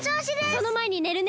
そのまえにねるね。